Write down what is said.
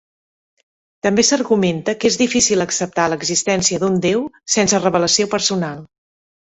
També s'argumenta que és difícil acceptar l'existència d'un déu sense revelació personal.